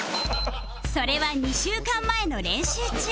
それは２週間前の練習中